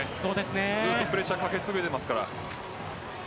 ずっとプレッシャーかけ続けていますから。